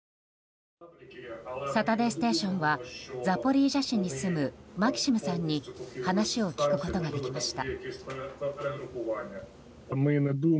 「サタデーステーション」はザポリージャ市に住むマキシムさんに話を聞くことができました。